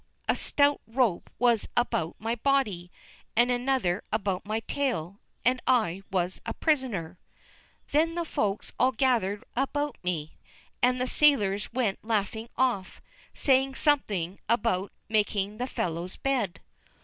a stout rope was about my body, and another about my tail, and I was a prisoner! Then the Folks all gathered about me, and the sailors went laughing off, saying something about "making the fellow's bed."